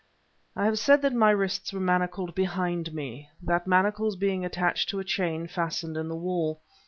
I have said that my wrists were manacled behind me, the manacles being attached to a chain fastened in the wall.